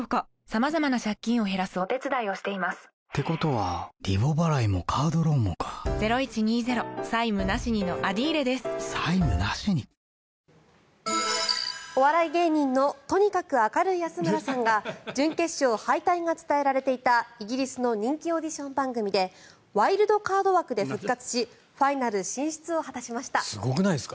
アメリカ政府の債務上限を停止する法案がお笑い芸人のとにかく明るい安村さんが準決勝敗退が伝えられていたイギリスの人気オーディション番組でワイルドカード枠で復活しファイナル進出を果たしました。